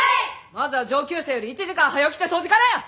まずは上級生より１時間はよ来て掃除からや！